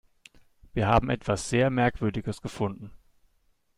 Wir haben etwas sehr Merkwürdiges gefunden.